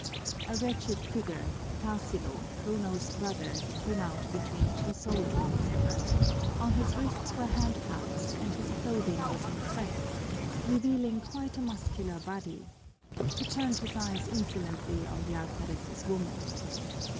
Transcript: A wretched figure, Tarsilo, Bruno's brother, came out between two soldiers. On his wrists were handcuffs and his clothing was in shreds, revealing quite a muscular body. He turned his eyes insolently on the alferez's woman.